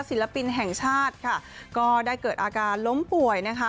ศิลปินแห่งชาติค่ะก็ได้เกิดอาการล้มป่วยนะคะ